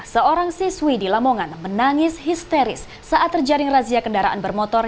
seorang siswi di lamongan menangis histeris saat terjaring razia kendaraan bermotor